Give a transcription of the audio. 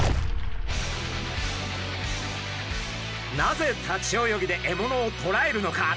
なぜ立ち泳ぎで獲物をとらえるのか？